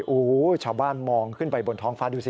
โอ้โหชาวบ้านมองขึ้นไปบนท้องฟ้าดูสิ